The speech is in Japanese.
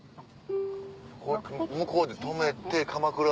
向こうで止めてかまくら。